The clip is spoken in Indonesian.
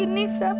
kira dia lahir